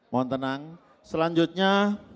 mohon tenang selanjutnya